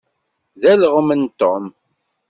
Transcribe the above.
D alɣem n Tom.